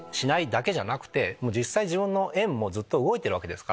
だけじゃなくて実際自分の円もずっと動いてるわけですから。